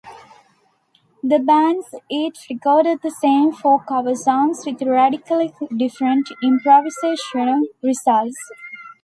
The bands each recorded the same four cover songs with radically different improvisational results.